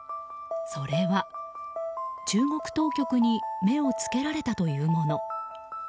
それは、中国当局に目をつけられたというもの。